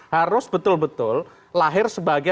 harus betul betul lahir sebagai